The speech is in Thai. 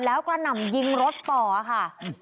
แล้วกระหน่ำยิงรถต่อค่ะ